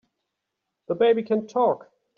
The baby can TALK!